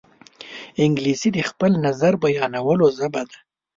انګلیسي د خپل نظر بیانولو ژبه ده